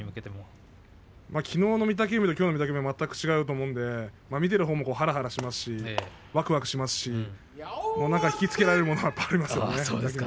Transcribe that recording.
きのうの御嶽海ときょうの御嶽海は全く違うと思うので見ているほうもはらはらしますしわくわくしますし引き付けられるものはありますよね。